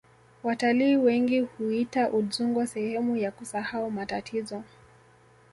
watalii wengi huiita udzungwa sehemu ya kusahau matatizo